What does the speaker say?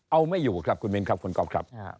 เอาไม่อยู่ครับคุณมินครับคุณก๊อฟครับ